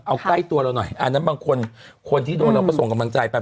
เอาใกล้ตัวเราหน่อยอันนั้นบางคนคนที่โดนเราก็ส่งกำลังใจไป